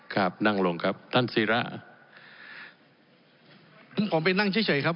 ครับนั่งลงครับท่านศิระผมไปนั่งเฉยครับ